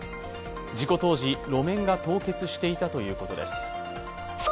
事故当時、路面が凍結していたということです。